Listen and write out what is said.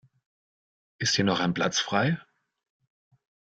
Ist hier noch ein Platz frei?